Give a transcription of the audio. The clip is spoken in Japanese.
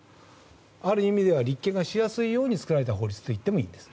ある意味では立件がしやすいように作られた法律といってもいいんです。